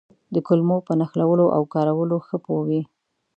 د کلمو په نښلولو او کارولو ښه پوه وي.